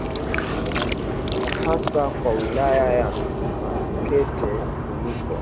na hasa kwa wilaya ya makete nilipo